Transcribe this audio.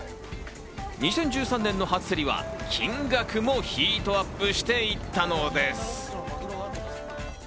２０１３年の初競りは金額もヒートアップしていったのです。